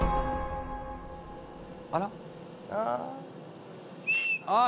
「あら？」